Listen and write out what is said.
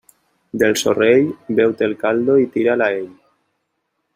Del sorell, beu-te el caldo i tira'l a ell.